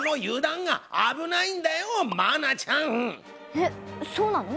えっそうなの？